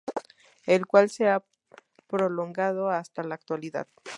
El cual se ha prolongando hasta la actualidad.